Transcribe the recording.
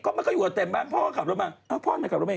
ก็มันก็อยู่กับเต็มบ้านพ่อกลับรถมาพ่อมันกลับรถไม่